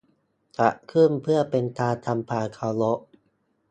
จัดขึ้นเพื่อเป็นการทำความเคารพ